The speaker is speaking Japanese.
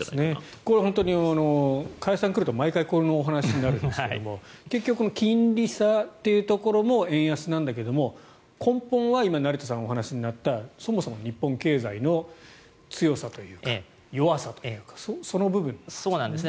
これ、本当に加谷さんが来ると毎回このお話になるんですが結局、金利差というところの円安なんだけれども根本は今、成田さんがお話になったそもそも日本経済の強さというか弱さというかその部分なんですね。